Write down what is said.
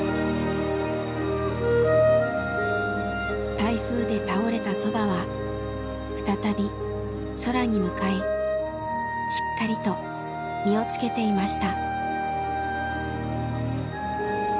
台風で倒れたそばは再び空に向かいしっかりと実を付けていました。